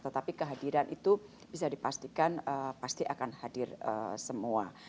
tetapi kehadiran itu bisa dipastikan pasti akan hadir semua